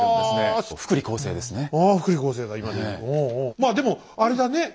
まあでもあれだね